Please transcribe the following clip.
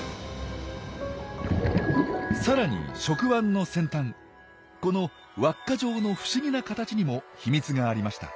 さらに触腕の先端この輪っか状の不思議な形にも秘密がありました。